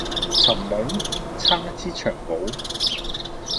尋夢？撐一支長篙